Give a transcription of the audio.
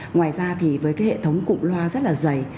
ngoài ra thì với cái hệ thống cụm loa rất là dày